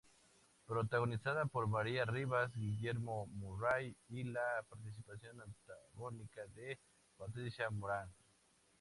Protagonizada por María Rivas, Guillermo Murray y la participación antagónica de Patricia Morán.